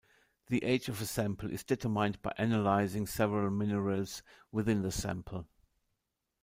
The age of a sample is determined by analysing several minerals within the sample.